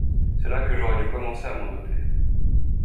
C’est là que j’aurais dû commencer à m’en douter.